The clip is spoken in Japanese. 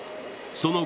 その後。